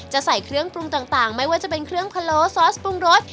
ใส่เครื่องปรุงต่างไม่ว่าจะเป็นเครื่องพะโล้ซอสปรุงรส